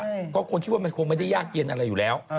เพราะควรคิดว่ามันคงไม่ได้ยากเกียรติอะไรอยู่แล้ว